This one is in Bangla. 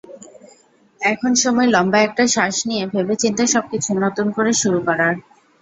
এখন সময় লম্বা একটা শ্বাস নিয়ে, ভেবেচিন্তে সবকিছু নতুন করে শুরু করার।